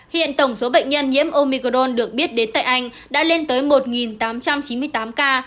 hiện tổng số bệnh nhân nhiễm omicron được biết đến tại anh đã lên tới một tám trăm chín mươi tám ca